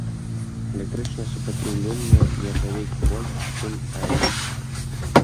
Электрычнае супраціўленне нержавейкі больш, чым эл.